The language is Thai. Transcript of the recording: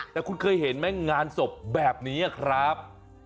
แต่คุณเคยเห็นไหมงานศพแบบนี้ครับ